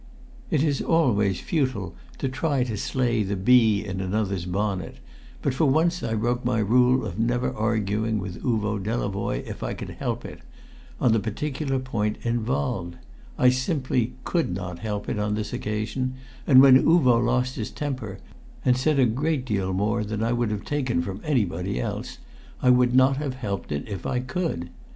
It is always futile to try to slay the bee in another's bonnet; but for once I broke my rule of never arguing with Uvo Delavoye, if I could help it, on the particular point involved. I simply could not help it, on this occasion; and when Uvo lost his temper, and said a great deal more than I would have taken from anybody else, I would not have helped it if I could.